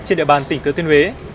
trên địa bàn tỉnh tư tuyên huế